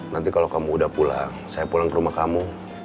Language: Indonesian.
nanti kalau kamu udah pulang saya pulang ke rumah kamu